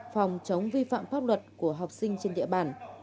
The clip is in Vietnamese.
phòng chống vi phạm pháp luật của học sinh trên địa bàn